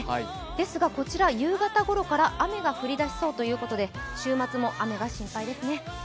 ですがこちら夕方ごろから雨が降りだしそうということで週末も雨が心配ですね。